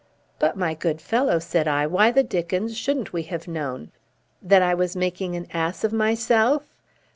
"But, my good fellow," said I, "why the dickens shouldn't we have known?" "That I was making an ass of myself?"